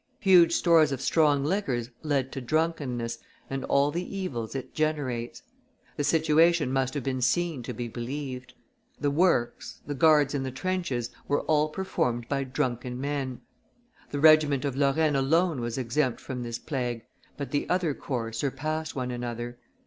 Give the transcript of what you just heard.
Huge stores of strong liquors led to drunkenness and all the evils it generates. The situation must have been seen to be believed. The works, the guards in the trenches were all performed by drunken men. The regiment of Lorraine alone was exempt from this plague, but the other corps surpassed one another.